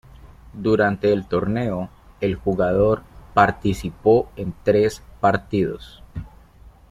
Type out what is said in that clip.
Durante el torneo el jugador participó en tres partidos.